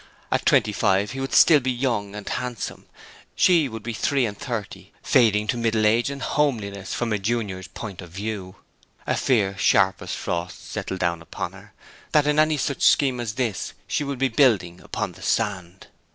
At twenty five he would still be young and handsome; she would be three and thirty, fading to middle age and homeliness, from a junior's point of view. A fear sharp as a frost settled down upon her, that in any such scheme as this she would be building upon the sand.